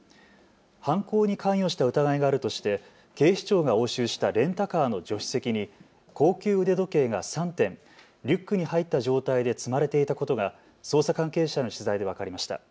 犯行に関与した疑いがあるとして警視庁が押収したレンタカーの助手席に高級腕時計が３点リュックに入った状態で積まれていたことが捜査関係者への取材で分かりました。